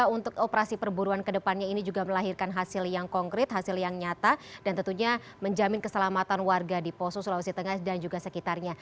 untuk operasi perburuan kedepannya ini juga melahirkan hasil yang konkret hasil yang nyata dan tentunya menjamin keselamatan warga di poso sulawesi tengah dan juga sekitarnya